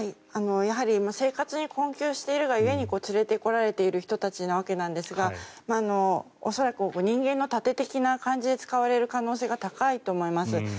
やはり生活に困窮しているが故に連れてこられてきてる人なんですが恐らく人間の盾的な感じで使われる可能性が高いと思います。